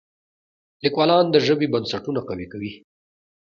لیکوالان د ژبې بنسټونه قوي کوي.